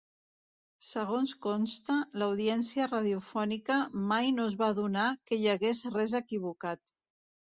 Segons consta, l'audiència radiofònica mai no es va adonar que hi hagués res equivocat.